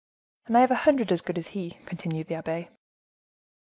"And I have a hundred as good as he," continued the abbe.